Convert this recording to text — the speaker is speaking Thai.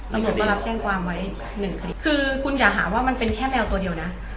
ตำรวจได้รับแจ้งความไว้หนึ่งคดีคือคุณอย่าหาว่ามันเป็นแค่แมวตัวเดียวนะ